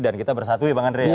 dan kita bersatu ya bang andre